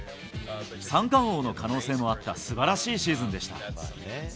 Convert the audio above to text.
三冠王の可能性もあったすばらしいシーズンでした。